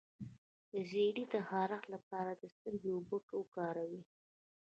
د زیړي د خارښ لپاره د سرکې اوبه وکاروئ